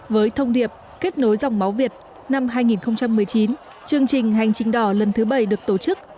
với thông điệp kết nối dòng máu việt năm hai nghìn một mươi chín chương trình hành trình đỏ lần thứ bảy được tổ chức